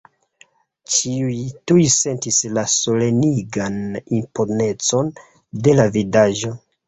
Ĉiuj tuj sentis la solenigan imponecon de la vidaĵo.